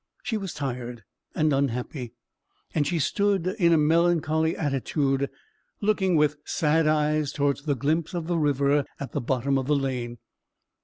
She was tired and unhappy, and she stood in a melancholy attitude, looking with sad eyes towards the glimpse of the river at the bottom of the lane.